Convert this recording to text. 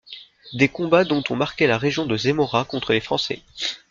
Des combats dont ont marqué la région de Zemmora contre les Français.